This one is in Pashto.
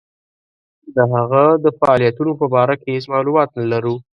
د هغه د فعالیتونو په باره کې هیڅ معلومات نه لرو.